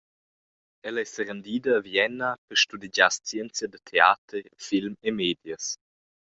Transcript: Ell’ei serendida a Vienna per studegiar scienzia da teater, film e medias.